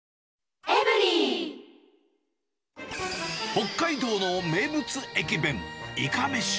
北海道の名物駅弁、いかめし。